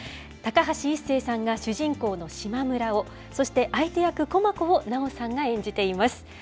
高橋一生さんが主人公の島村を、そして相手役、駒子を奈緒さんが演じています。